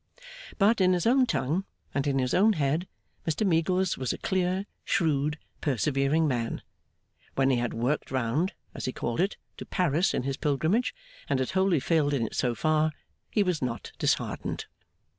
But, in his own tongue, and in his own head, Mr Meagles was a clear, shrewd, persevering man. When he had 'worked round,' as he called it, to Paris in his pilgrimage, and had wholly failed in it so far, he was not disheartened.